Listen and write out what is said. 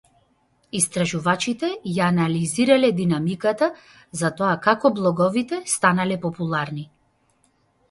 Истражувачите ја анализирале динамиката за тоа како блоговите станале популарни.